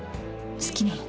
好きなの？